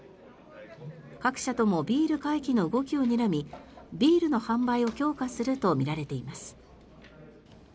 各社ともビール回帰の動きをにらみビールの販売を強化するとみられています。